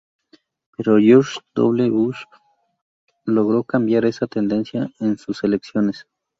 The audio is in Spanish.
Pero George W. Bush logró cambiar esa tendencia en sus elecciones.